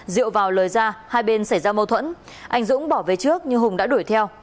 rượu vào lời ra hai bên xảy ra mâu thuẫn anh dũng bỏ về trước nhưng hùng đã đuổi theo